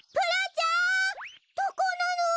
どこなの？